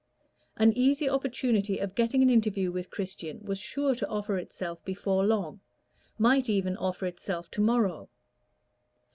An easy opportunity of getting an interview with Christian was sure to offer itself before long might even offer itself to morrow.